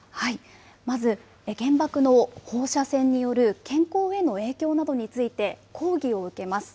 まず、原爆の放射線による健康への影響などについて講義を受けます。